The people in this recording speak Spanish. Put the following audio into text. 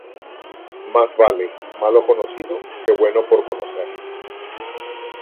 Mas vale malo conocido que bueno por conocer